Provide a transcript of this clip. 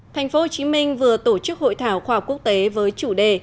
thành phố hồ chí minh vừa tổ chức hội thảo khoa học quốc tế với chủ đề